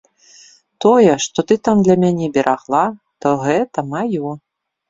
Тое, што ты там для мяне берагла, то гэта маё.